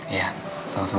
iya sama sama tante